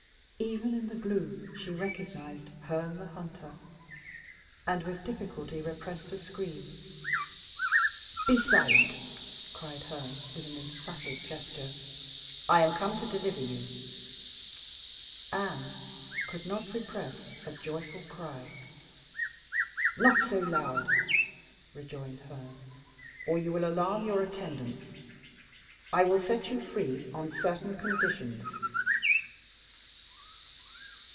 Even in the gloom she recognised Herne the Hunter, and with difficulty repressed a scream. "Be silent!" cried Herne, with an emphatic gesture. "I am come to deliver you." Anne could not repress a joyful cry. "Not so loud," rejoined Herne, "or you will alarm your attendants. I will set you free on certain conditions."